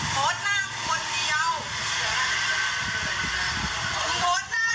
กูบอกว่ามึงโพสต์หน้า